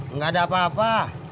nggak ada apa apa